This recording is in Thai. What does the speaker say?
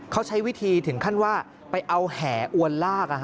เขาใช้วิธีถึงขั้นว่าไปเอาแห่อวนลาก